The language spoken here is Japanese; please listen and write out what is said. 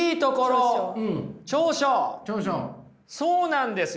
そうなんですよ！